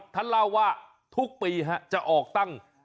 ท่านเล่าว่าทุกปีจะออกตั้ง